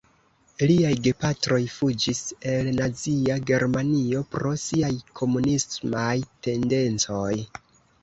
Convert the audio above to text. Liaj gepatroj fuĝis el Nazia Germanio pro siaj komunismaj tendencoj.